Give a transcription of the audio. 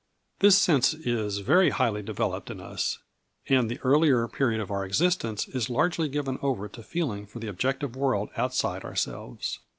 This sense is very highly developed in us, and the earlier period of our existence is largely given over to feeling for the objective world outside ourselves.